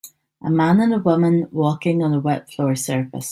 A man and woman walking on a wet floor surface